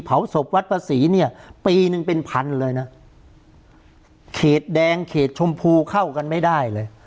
เผาศพวัดภาษีเนี่ยปีหนึ่งเป็นพันเลยนะเขตแดงเขตชมพูเข้ากันไม่ได้เลย